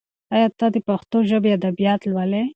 ایا ته د پښتو ژبې ادبیات لولي؟